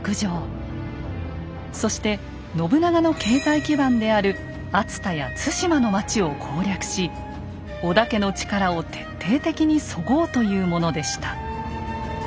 そして信長の経済基盤である熱田や津島の町を攻略し織田家の力を徹底的にそごうというものでした。